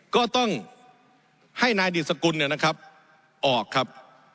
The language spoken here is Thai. ก็ต้องให้นายดิสกุลเนี่ยนะครับออกครับ